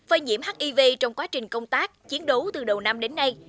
phơi nhiễm hiv trong quá trình công tác chiến đấu từ đầu năm đến nay